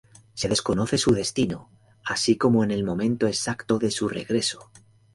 Se desconoce su destino, así como en el momento exacto de su regreso.